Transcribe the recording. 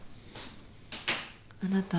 あなた。